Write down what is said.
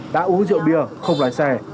đã uống rượu bia không lái xe